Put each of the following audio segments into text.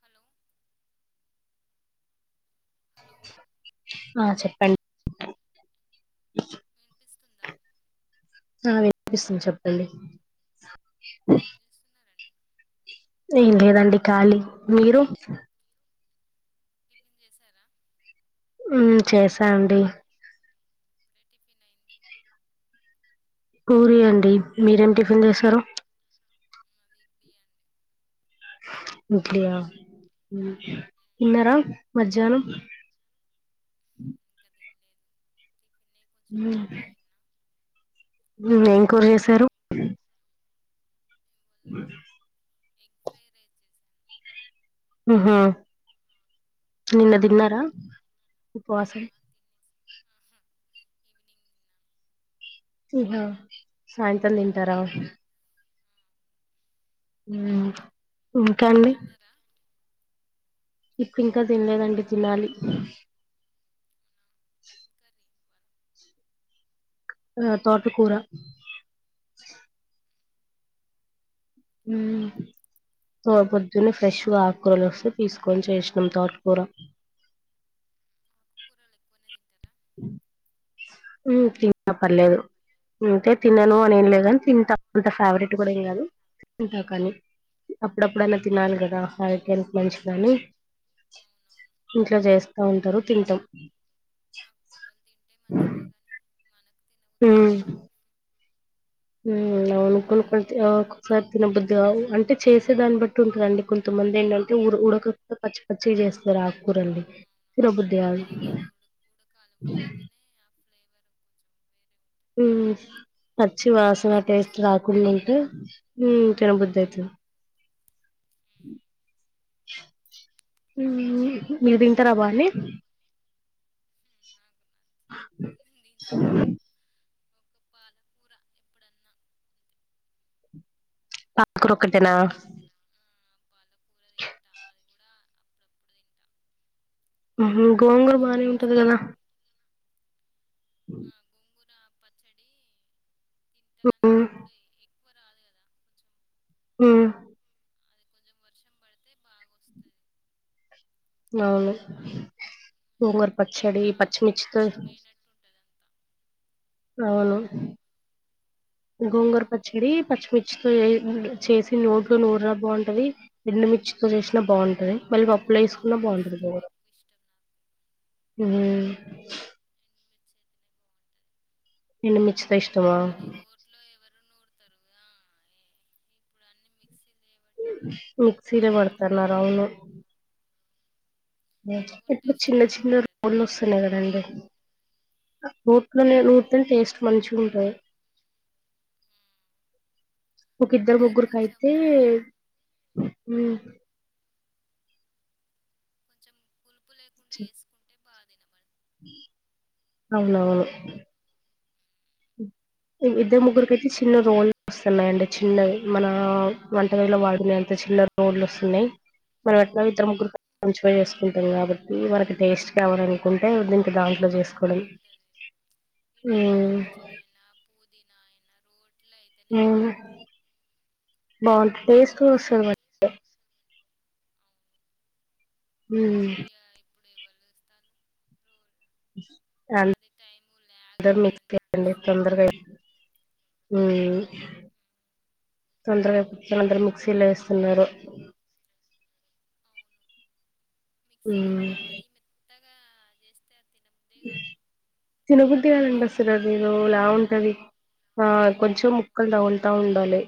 Hello hello ఆ చెప్ప బ వినిపిస్తుందా ఆ వినిపిస్తుంది చెప్పండి ఏం చేస్తున్నారండి నేను కూడ అండి ఖాళీ మీరు టిఫిన్ చేశారా ఉ చేసాండి ఇప్పుడే టిఫిన్ అయింది పూరి అండి మీరేమి టిఫిన్ చేసారు మాది ఇడ్లీ అండి [unintelligible] ఇన్నర మధ్యనం హ ఇంకా తినలేదు ఉ టిఫినే కొంచెం లేటుగా ఏం కూర చేసారు తిన్నా బ ఇవాళ ఎగ్ ఫ్రై రైస్ చేసాను ఉహు నిన్న తిన్నారా ఆ ఉపవాసం తినేసి ఆహా ఈవినింగ్ తిన్నాను ఇహా ఆ, సాయంత్రం తింటారా ఉమ్ ఇంకా మీరు అండి తిన్నారా ఇప్పు ఇంకా తినలేదండి తినాలి ఆ తోట కూర ఉమ్ తోడపొద్దున్నే ఫ్రెష్గా ఆకూరలు వస్తే తీసుకొని చేసినం తోట్కూర [inaudible] ఎక్కువనే తింటారా అవునవును ఉమ్ తింటా పర్లేదు అంటే తినను అని ఏం లేదు కని తింటా అంత ఫేవరెట్ కూడా ఏం కాదు, తింటాకని అప్పుడప్పుడన్నా తినాలి కదా ఆరోగ్యానికి మంచిదని అవున ఇంట్లో చేస్తా ఉంటరు తింటాం ఆకుకూరలు తింటే అ మంచిదే కానీ మనకు తినబుద్ధి కాక ఉమ్ తినం ఉమ్ ఎక్కువ నవును [unintelligible] పాలకూర నాకు అవునవును ఒక్కోసారి తినబుద్ధి కాదు అంటే చేసే దాన్ని బట్టి ఉంటుందండి కొంతమంది ఏంటంటే ఉర్ ఉడక పచ్చి పచ్చిగ చేస్తారు ఆకుకూరల్ని తినబుద్ధి కాదు మెయిన్ అది ఉడు ఉడకాలి ఉడికితేనే ఆ ఫ్లేవర్ కొంచెం వేరే ఉంటుంది ఉమ్ పచ్చి లేకుంటే వాసన పచ్చి టేస్ట్ పచ్చిగా రాకుండుంటే ఉమ్ తిను బుద్ధి అవును అయితది మ్మ్. మ్మ్, అ మీరు తింటరా బాని నాకు నచ్చదు నేను తినా స ఒక పాలకూర ఎప్పుడన్నా అంతే ఆ, పక్కూరొకటెనా పాలకూర తింటా అది కూడా అప్పుడప్పుడు తింటా కొంచెం ఉహు పప్పులు గోంగూర ఎక్కువ బానే ఉంటది కదా వేసుకుంటా ఆ గోంగూర పచ్చడి తింటా ఉ హు కానీ ఇప్పుడు ఎక్కువ రాదు కదా కొంచెం హు చం వర్షం పడితే బాగా వస్తుంది అవును గోంగూర ఇప్పుడు కొంచెం పచ్చడి వా పచ్చిమిర్చితో వాలిపోయినట్టు ఉంటది అంతా అవును [inaudible] గోంగర ఉమ్, పచ్చడి పచ్చిమిర్చితో చేయ్ చేసి నోట్లో నూరీనా బాగుంటది ఎండుమిర్చి తో చేసిన బాగుంటది మళ్ళీ పప్ అవును ప్లేస్కున్నా ఎండుమిర్చి బంటది తోటే కూర ఎక్కువ ఇష్టం నాకు ఉమ్ ఎండుమిర్చి అయితేనే బాగుంటది ఎండుమిర్చితో ఇష్టమా? కానీ రోట్లో ఎవరు నూరుతారు ఆ, ఏ- ఇప్పుడు అన్ని మిక్సీలు కాబట్టి రోలు మిక్సీలో కొంచెం తక్కువ పడతన్నారవును రోల్ ఇప్పుడు టేస్ట్ చిన్న వేరే చిన్న ఉంటుంది రోల్లు అవును. వస్తున్నాయి కదండి రోడ్ రోట్లో నేను నూర్తే టేస్ట్ మంచి గుంటది ఉమ్. ఒకిద్దరు అది ముగ్గురుకైతే కొంచెము ఉమ్ బాదినమని అవునవును ఇద్ద ముగ్గురికియితే చిన్న రోల్ వస్తున్నయండి చిన్నవి మన వంట టైం లో వాడుకునే ఎంత చిన్న రోల్లు వస్తున్నయి. మనం ఎట్లో ఇద్దరు ముగ్గురు మంచిపోయి చేసుకుంటాం కాబట్టి, మనకి టేస్ట్ కావాలనుకుంటే దీనికి దాంట్లో అవును చేసుకు ఇప్పుడు బాగుంటది హ్మ్ దైన పుదినాయనా రోడ్ మ్మ్ బాగుంట టేస్ట్ రోడ్ వస్తుంది అవును, కానీ హ్మ్ ఇగ ఇప్పుడు ఎవరు చూస్తాళ్ళు రోల్ [unintelligible] అది టైము ల్యాగ్ మిక్స్ అయితదని చేయండి చెప్పేసి ఉమ్. తొందరగా హ్మ్ తొందరగా తొందర మీక్సీలేస్తున్నారు. అవును హ్మ్ ఉత్తగా జేస్తే తినబుద్ధే కాదు. కొంచెం తినబుద్దెకాదండి అసలు అది గరుగరుకుంటేనే ఏదోలా బాగుంటది ఉంటది అ కొంచెం ముక్కలు మ్మ్ తగులుతా ఉండాలి.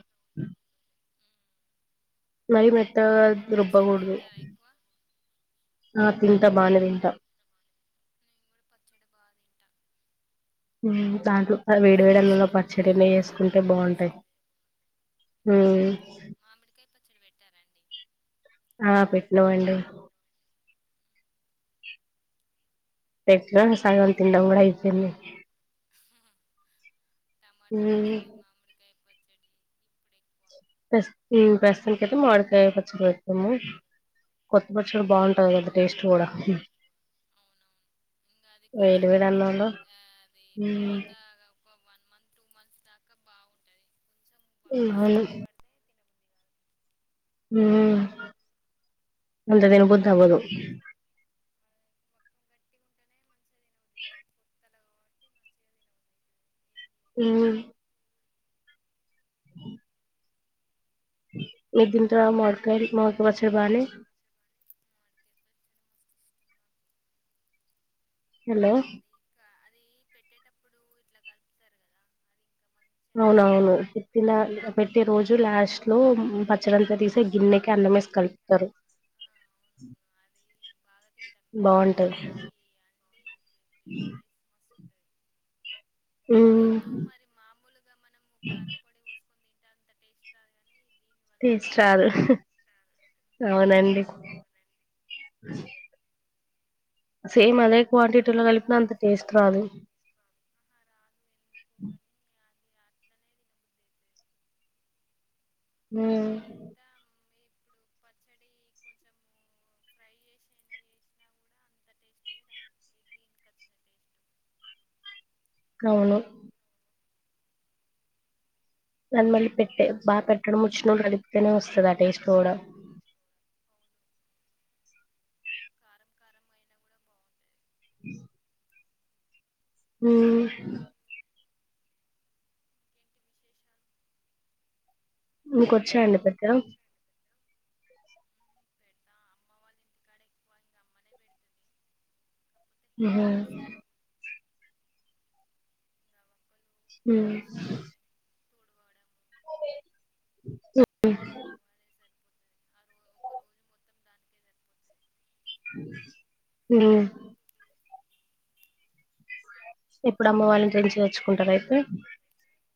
మరి మెత్తగా మీరు రుబ్బ పచ్చళ్ళు గూడుదు తింటారా ఎక్కువ నేను అ తింటా బానే తిన్ ట కూడా పచ్చడి బాగా తింటా హ్మ్ దాంట్లో వేడి వేడి కర్రీస్ అన్నంలో కంటే పచ్చడీ నెయ్యి అవే ఏసుకుంటే బాగా బావుంటయి. అనిపిస్తది హ్మ్ మామిడికాయ పచ్చడి పెట్టారండి అ అమ్మ వాళ్ళు పెట్టినమండి పెట్టినా సగం ఇంకా తినడం గూడ ఐపోయింది. మామిడి టమాటా హ్మ్ పచ్చడి మామిడికాయ పచ్చడి ఇప్పుడు ఎక్కువ ప్రస్తు ప్రస్తుతానికైతే మావిడికై పచ్చడి పెట్టినము కొత్త పచ్చడి బాగుంటాది కదా టేస్ట్ కూడా అవునవును ఇంగ అది వేడి కొంచం వేడి అన్నంలో అది ఉమ్, పాత ఒక వన్ మంత్ టూ మంత్స్ దాకా బాగుంటది కొంచెం హ్మ్ బక్కం అవును అయితే హ్మ్ తినబుద్ది కాదు అంత దిని గట్టి బుద్ధి అవ్వదు. ఉంటేనే మంచిగా మొత్తం గట్టిగా ఉంటేనే మంచిగా తినబుద్ది అయితది [inaudible] పొత్తలా కాబట్టి మంచిగా తినబుద్ది అయితది ఏం హ్మ్ లేకున్నా హ [inaudible] మీరు తింటారా మావిడికాయలు మావిడికాయ పచ్చడ మిగతా బానే మామిడికాయ నోరుపచ్చ కానీ హలో మామిడికాయ పచ్చడి మస్తు ఇష్టం నాకు అది ఇంకా అది పెట్టేటప్పుడు ఇట్లా కలుపుతారు కదా అది ఇంక అవునవును పెట్టిన పెట్టే రోజు లాస్ట్ లో ఇలా పెట్టే పచ్చడింత రోజు తీసే లాస్ట్లో గిన్నెకి అన్న పచ్చడంతా మేసి తీసి గుమ్మడికి అన్నం కలుపుతరు. వేస్తారు. ఆ అవునవును అది బాగా తింటాం బావుంటది అందరికీ అండి బాగుంటుంది. టేస్ట్ మస్తు ఉంటది అదేందో మరి మామూలుగా మనము కారపొడి హ్మ్ పోసుకొని తింటే అంత టేస్ట్ రాదు కానీ దీని వల్ల మస్తు టెస్ట్ రాదు టేస్ట్ వస్తుంది టేస్ట్ రాదు. అవునండి. అవునండి. అ [inaudible] సేమ్ అదే మీరే క్వాంటిటీలో పెడతారా కలిపిన అంత పచ్చడి టేస్ట్ రాదు. ఆహా రాదు ఎందుకు అ [inaudible] అని అది అట్లనే తినబుద్ధి అయితది ఉమ్, మనం ఎంత మ్, ఇప్పుడు పచ్చడి కోమ్ ఫ్రై చేసి ఏదైనా చేసినా కూడా అంత టేస్టే రాదు. వీటి కచ్చిన టేస్టు అవును దాని మళ్ళీ పెట్టే బాగా పెట్టడం మొచ్చినోళ్ళు కలిపితేనే వస్తదట ఆ టేస్ట్ గూడా అవును కారం కారం అయినా కూడా బాగుంటది హ్మ్ ఇంకేంటి విశేషాలు మ్, మీకొచ్చా అండి పెట్టడం. పెడతా అమ్మ వాళ్ళ ఇంటికాడ ఎక్కువ ఇంక అమ్మనే పెడుతది కాకపోతే హెల్ప్ ఉహు చేస్తాం ఇంకా ఒక్కళ్ళు ఉమ్ కొట్టిస్తే తుడవడము పెట్టడము ఉఉ అదే సరిపోతది ఆ రో ఒక రోజు మొత్తం దానికే సరిపోతది ఇప్పుడు ఊ ఇప్పుడమ్మ వాళ్ళ ఇంట్లనుంచే అమ్మ వాళ్ళ తెచ్చుకుంటరు అయితే ఇంటికాంచి తెచ్చుకుంటారు అయితే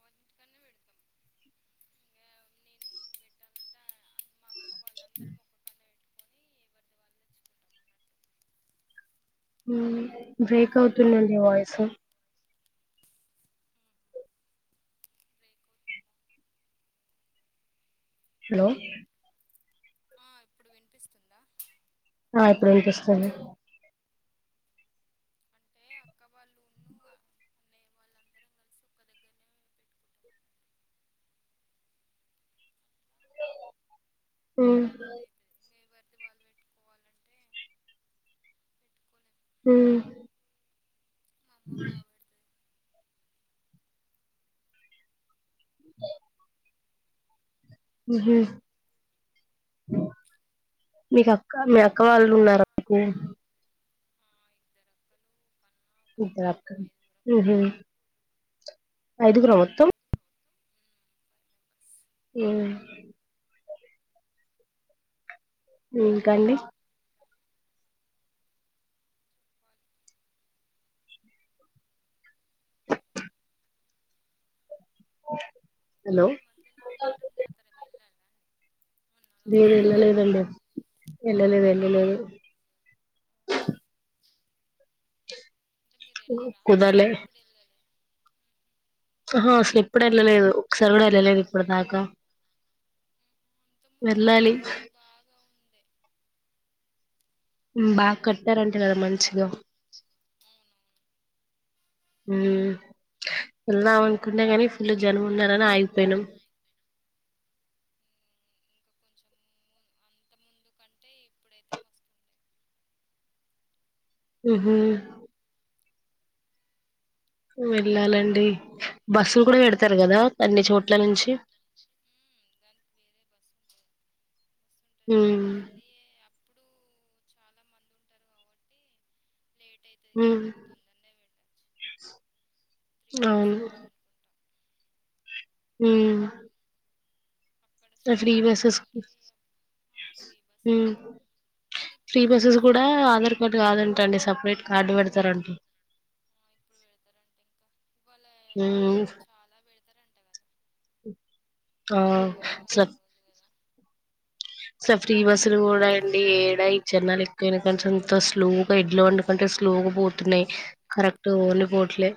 వాళ్ళ ఇంటికన్నే పెడతాం ఇంకా నేను పెట్టాలంటే మా అక్క వాళ్ళందరం ఒక్కకన్నే పెట్టుకొని ఎవరిది వాళ్ళు తెచ్చుకుంటాం ఊమ్ బ్రేక్ అవుతుందండి వాయిసు అన్నట్టు బ్రేక్ అవుతుందా హాలో ఆ ఇప్పుడు వినిపిస్తుందా ఆ ఇప్పుడు వినిపిస్తుంది అదె అక్క వాళ్ళున్ను అన్నయ్య వాళ్ళందరం కలిసి ఒక్క దగ్గర్నె ఒక్క ఉహ్ దగ్గరనే అవుతుంది ఇంకా ఎవరిది వాళ్ళు పెట్టుకోవాలంటే పెట్టుకోలేం ఊ మా అమ్మ బాయ్ బాగా పెడుతుంది టే ఉహు మీక్ అక్క ఇక మీ అక్క వాళ్ళు మీ అక్క ఉన్నార వాళ్ళు ఉన్నారు ఇద్దరు అక్కలు ఒక అన్న ఒక తమ్ముడు మేము ఐదుగురం ఇద్దరక్కలు ఫైవ్ ఐదుగురా మొత్తం మెంబర్స్ [inaudible] ఉ ఇంకా అండీ వాళ్ళు హాలో ఈ మధ్యలో మేడారం జాతర వెళ్ళాలా అండి మొన్న నేను లాస్ట్ ఇయర్ ఎల్లలేదండీ ఎల్లలేదు ఎళ్ళలేదు అంటే మీరు వెళ్ళరా కుదర్లే ఇప్పుడు వెళ్ళలే ఆహా అసలు ఇప్పుడు ఎళ్ళలేదు ఒకసారి గూడా ఎళ్ళలేదు ఇప్పుడి దాకా అంతకుముందు వెళ్ళాలి కంటే ఇప్పుడు బాగా ఉంది ఉమ్, బాగా కట్టారంట గదా మంచిగ అవునవును ఉ వెళ్దాంమనుకుంటే ఇంకా గని ఫుల్లు జనం ఉన్నారని ఆగిపోయినం ఉం కొంచం అంత ముందు కంటే ఇప్పుడైతే మస్తుండే ఉహు వెళ్ళాలండీ బస్సులు గూడా పెడతరు గదా అన్ని చోట్ల నుంచి ఉ ఊ ఇప్పుడు చాలా మంది ఉంటరు కాబట్టీ ఉ త్రీ అవర్స్ అవును పడుతది అనుకుంటా ఊమ్ అక్కడ త స్టే ఫ్రీ బస్సేస్ చేయడానికి ఆ ఫ్రీ బస్ ఉ కానీ ఫ్రీ ఇప్పుడు బసెస్ ఫ్రీ కూడా ఆధార్ కార్డు కాదంట అండి సపరేట్ కార్డు పెడతారం ఆ ఇప్పుడు పెడతారంట ఇంకా ఇవాళ అ ఇవాళ చాలా పెడతారంట కదా ఆ ఇవాళ తెలంగాణ సర్ రోజు కదా ఫ్రీ బస్సులు కూడా అండి ఏడా ఈ జెన్నాలు ఎక్కువైన కానించి ఎంత స్లో గా ఎడ్లో బండికంటే స్లోగా బోతునాయి కరెక్ట్ ఓన్ బోట్లే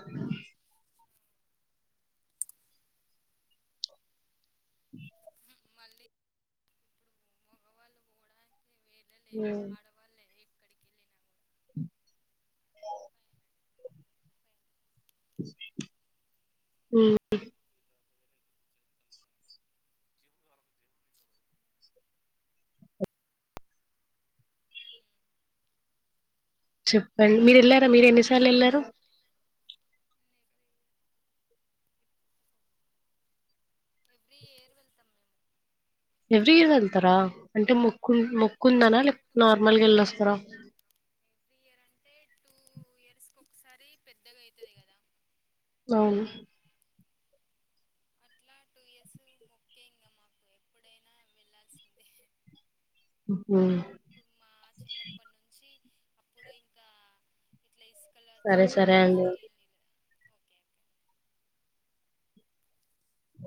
మళ్ళీ ఇప్పుడు మగవాళ్ళు పోవడానికి వేలే లేదు ఉమ్ ఆడవాళ్ళే ఎక్కడికి వెళ్ళినా కూడా ఉమ్ అది జిమ్ చెప్పండి మీరు వెళ్లారా మీరు ఎన్నిసార్లు వెళ్లారు వాళ్ళకి జిమ్ ఎవ్రీ ఇయర్ వెళ్తాం ఎవ్రీ ఇయర్ వెళ్తారా మేము అంటే మొక్కు మొ కుందానా లేదా టూ నార్మల్గా వెళ్ళొస్తారా ఎవ్రీ ఇయర్ అంటే టూ ఇయర్స్కి ఒకసారి పెద్దగా అయితది కదా అవును అట్లా టూ ఇయర్స్ ముక్కె ఇంగా మాకు ఎప్పుడైనా వెళ్ళాల్సిందే ఉహు ఇప్పుడు మా చిన్నప్పటి నుంచి అప్పుడు ఇంకా ఇట్లా ఇస్ సరే సరే అండి ఓకే బ